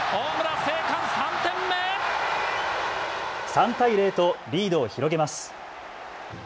３対０とリードを広げます。